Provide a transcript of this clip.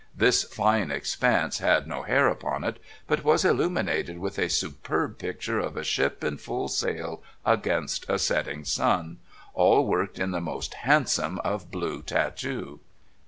This fine expanse had no hair upon it, but was illuminated with a superb picture of a ship in full sail against a setting sun, all worked in the most handsome of blue tatoo.